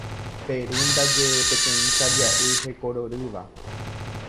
Peru ndaje peteĩ karia'y hekororýva.